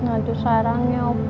aduh sarangnya opa